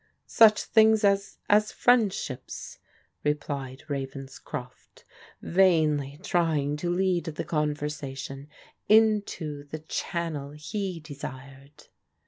" Such things as — as friendships," replied Ravens croft, vainly trying to lead the conversation into the channel he desired.